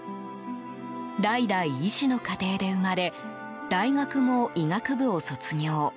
代々、医師の家庭で生まれ大学も医学部を卒業。